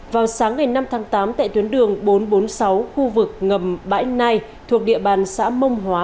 vào sáng ngày năm tháng tám tại tuyến đường bốn trăm bốn mươi sáu khu vực ngầm bãi nai thuộc địa bàn xã mông hóa